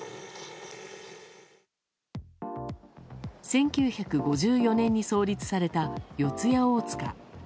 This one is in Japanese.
１９５４年に創立された四谷大塚。